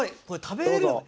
これ食べれる